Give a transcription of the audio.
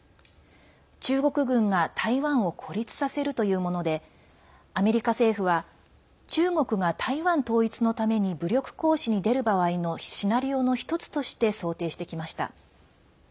中国軍が台湾を孤立させるというものでアメリカ政府は中国が台湾統一のために武力行使に出る場合のシナリオの１つとして想定してきました。